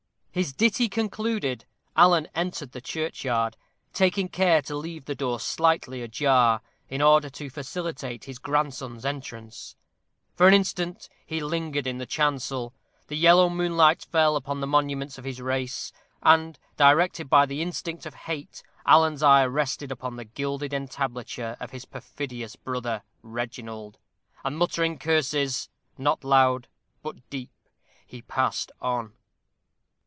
His ditty concluded, Alan entered the churchyard, taking care to leave the door slightly ajar, in order to facilitate his grandson's entrance. For an instant he lingered in the chancel. The yellow moonlight fell upon the monuments of his race; and, directed by the instinct of hate, Alan's eye rested upon the gilded entablature of his perfidious brother, Reginald, and, muttering curses, "not loud but deep," he passed on.